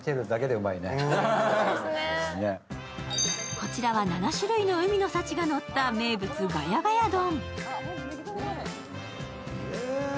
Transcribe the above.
こちらは７種類の海の幸がのった名物・我家我家丼。